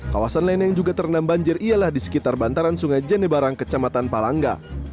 kawasan lainnya yang juga terenam banjir ialah di sekitar bantaran sungai janebarang kecamatan palangga